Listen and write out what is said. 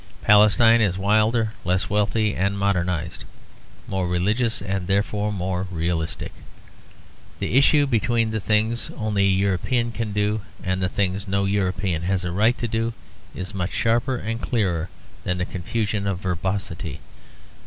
Palestine is wilder, less wealthy and modernised, more religious and therefore more realistic. The issue between the things only a European can do, and the things no European has the right to do, is much sharper and clearer than the confusions of verbosity.